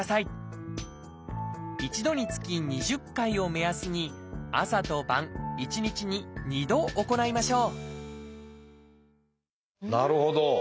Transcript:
一度につき２０回を目安に朝と晩一日に２度行いましょうなるほど。